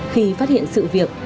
khi phát hiện sự việc